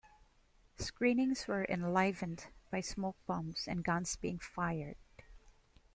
Screenings were enlivened by smoke bombs and guns being fired.